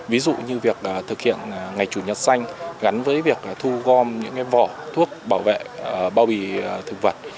ví dụ như việc thực hiện ngày chủ nhật xanh gắn với việc thu gom những vỏ thuốc bảo vệ bao bì thực vật